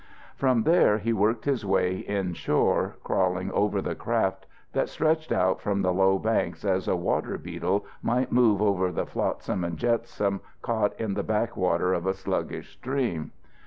From there he worked his way inshore, crawling over the craft that stretched out from the low banks as a water beetle might move over the flotsam and jetsam caught in the back water of a sluggish stream.